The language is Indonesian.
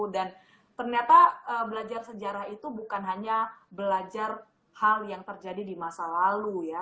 dan ternyata belajar sejarah itu bukan hanya belajar hal yang terjadi di masa lalu ya